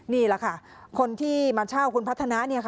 นี่แหละค่ะคนที่มาเช่าคุณพัฒนา